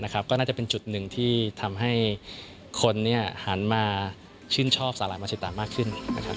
ก็น่าจะเป็นจุดหนึ่งที่ทำให้คนหันมาชื่นชอบสาหร่ายมาชิตามากขึ้น